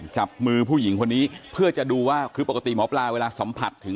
จับมือผู้หญิงคนนี้เพื่อจะดูว่าคือปกติหมอปลาเวลาสัมผัสถึง